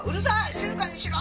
静かにしろ！